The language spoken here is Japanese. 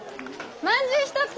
まんじゅう１つ！